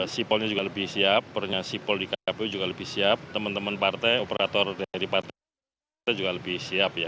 sipolnya juga lebih siap punya sipol di kpu juga lebih siap teman teman partai operator dari partai kita juga lebih siap ya